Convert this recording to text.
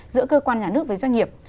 giữa cơ quan nhà nước với doanh nghiệp